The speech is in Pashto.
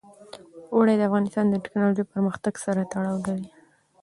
اوړي د افغانستان د تکنالوژۍ پرمختګ سره تړاو لري.